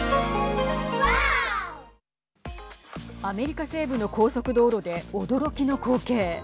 アメリカ西部の高速道路で驚きの光景。